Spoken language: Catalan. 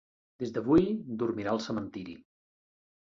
Des d'avui dormirà al cementiri.